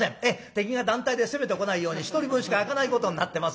敵が団体で攻めてこないように１人分しか開かないことになってますんでね。